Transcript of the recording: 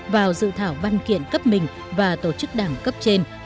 vào dự thảo văn kiện cấp mình và tổ chức đảng cấp trên